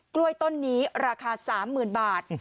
กล้วยต้นนี้ราคา๓๐๐๐บาท